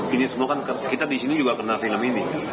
ini semua kan kita di sini juga kena film ini